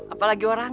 apalagi mau kebun